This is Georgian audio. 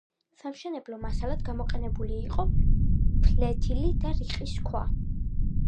სამშენებლო მასალად გამოყენებული იყო ფლეთილი და რიყის ქვა.